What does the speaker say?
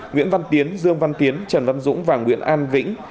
nguyễn văn tiến dương văn tiến trần văn dũng và nguyễn an vĩnh